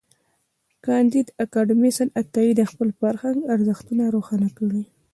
کانديد اکاډميسن عطايي د خپل فرهنګ ارزښتونه روښانه کړي دي.